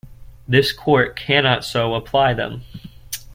This court cannot so apply them.